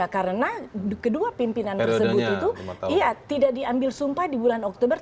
karena kedua pimpinan tersebut itu tidak diambil sumpah di bulan oktober